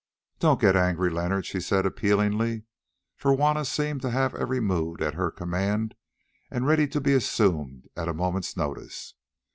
"Don't get angry, Leonard," she said appealingly, for Juanna seemed to have every mood at her command and ready to be assumed at a moment's notice.